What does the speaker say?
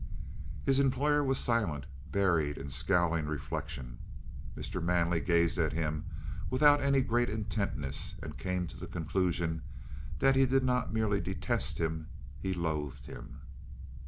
His employer was silent, buried in scowling reflection. Mr. Manley gazed at him without any great intentness, and came to the conclusion that he did not merely detest him, he loathed him.